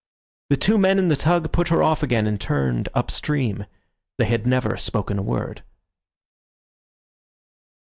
The two men in the tug put her off again and turned up stream. They had never spoken a word.